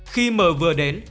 khi m vừa đến